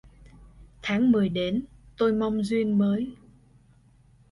Tháng mười đến, tôi mong duyên mới.